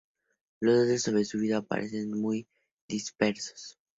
Los datos sobre su vida aparecen muy dispersos.